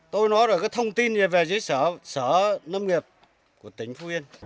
tôi nói rồi có thông tin về dưới sở nâm nghiệp của tỉnh phú yên